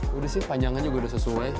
sudah sih panjangannya sudah sesuai